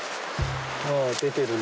あ出てるな。